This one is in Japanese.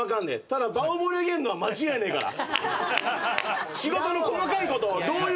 ただ場を盛り上げんのは間違いねえから。